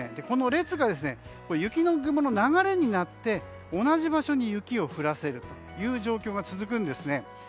この列が雪雲の流れになって同じ場所に雪を降らせる状況が続くんです。